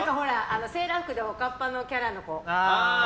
セーラー服でおかっぱのキャラの子。